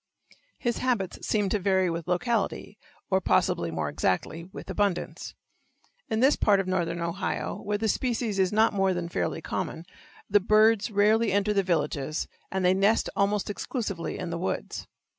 His habits seem to vary with locality, or possibly more exactly, with abundance. In this part of northern Ohio, where the species is not more than fairly common, the birds rarely enter the villages, and they nest almost exclusively in the woods.